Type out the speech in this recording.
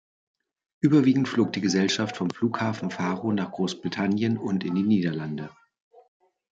Überwiegend flog die Gesellschaft vom Flughafen Faro nach Großbritannien und in die Niederlande.